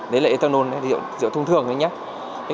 đấy là etanol rượu thông thường đấy nhé